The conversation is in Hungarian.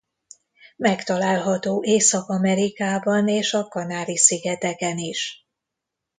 Megtalálható Észak Amerikában és a Kanári-szigeteken is.